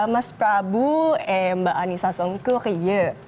mas prabu mbak anissa songkur rie